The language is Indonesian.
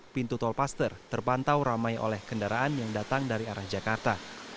pintu tolpaster terpantau ramai oleh kendaraan yang datang dari arah jakarta